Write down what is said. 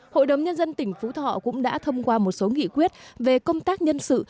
hội đồng nhân dân tỉnh phú thọ cũng đã thông qua một số nghị quyết về công tác nhân sự